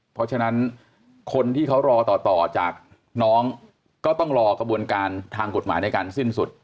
เพราะฉะนั้นคนที่เขารอต่อจากน้องก็ต้องรอกระบวนการทางกฎหมายในการสิ้นสุด